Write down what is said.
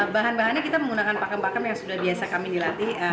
bahan bahannya kita menggunakan pakem pakem yang sudah biasa kami dilatih